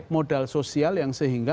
modal sosial yang sehingga